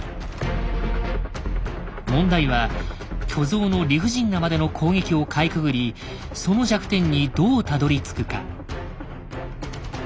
問題は巨像の理不尽なまでの攻撃をかいくぐりその弱点にどうたどりつくか。